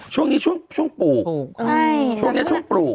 ช่วงนี้ช่วงปลูกปลูกช่วงนี้ช่วงปลูก